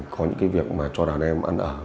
có những cái việc mà cho đàn em ăn ở